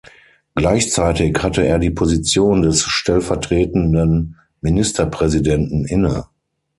Gleichzeitig hatte er die Position des stellvertretenden Ministerpräsidenten inne.